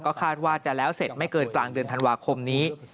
คาดว่าจะแล้วเสร็จไม่เกินกลางเดือนธันวาคมนี้